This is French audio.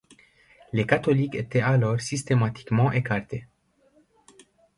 Les catholiques étaient alors systématiquement écartés.